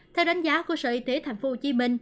theo đánh giá của sở y tế tp hcm